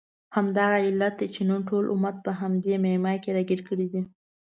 همدغه علت دی چې نن ټول امت په همدې معما کې راګیر دی.